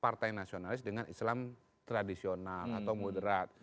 barisan yang nasionalis dengan islam tradisional atau muderat